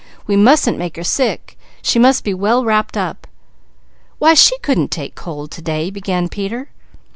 We mustn't make her sick. She must be well wrapped." "Why she couldn't take cold to day " began Peter.